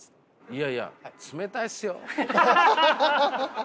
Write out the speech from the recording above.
いやいや冷たいっすよ。